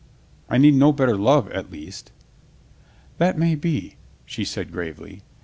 "I need no better love at least." "That may be," she said gravely.